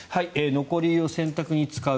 残り湯を洗濯に使う。